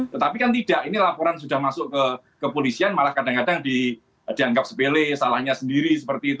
tetapi kan tidak ini laporan sudah masuk kepolisian malah kadang kadang dianggap sepele salahnya sendiri seperti itu